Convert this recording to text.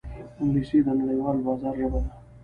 انګلیسي د نړیوال بازار ژبه ده